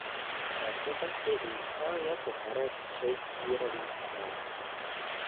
Reputaci získal jako herec v Shakespearových hrách.